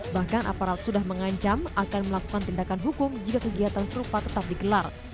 bahkan aparat sudah mengancam akan melakukan tindakan hukum jika kegiatan serupa tetap digelar